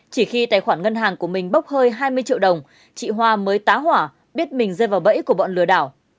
chỉ khi tài khoản ngân hàng của mình bốc hơi hai mươi triệu đồng chị hoa mới tá hỏa biết mình rơi vào bẫy của bọn lừa đảo